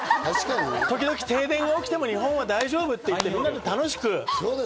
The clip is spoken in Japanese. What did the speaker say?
時々、停電が起きても日本は大丈夫って、世の中楽しく。